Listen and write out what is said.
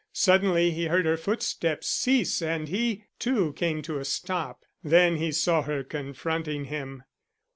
Suddenly he heard her footsteps cease and he, too, came to a stop. Then he saw her confronting him.